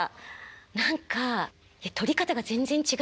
何かとり方が全然違うの。